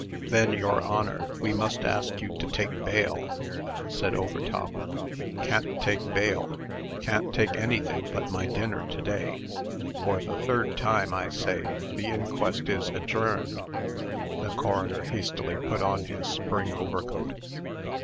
"Then, your Honor, we must ask you to take bail," said Overtop. "Can't take bail! Can't take anything but my dinner, to day! For the third time, I say, the inquest is adjourned." The coroner hastily put on his spring overcoat.